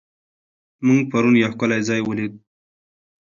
موږ پرون یو ښکلی ځای ولید.